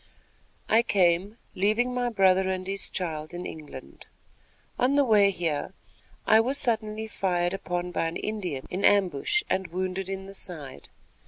I came, leaving my brother and his child in England. On the way here, I was suddenly fired upon by an Indian in ambush and wounded in the side.